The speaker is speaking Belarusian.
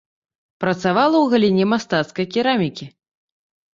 Працавала ў галіне мастацкай керамікі.